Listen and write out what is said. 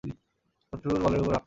শত্রুর বলের উপর রাগ করছি কেন?